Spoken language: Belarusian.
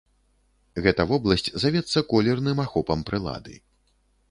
Гэта вобласць завецца колерным ахопам прылады.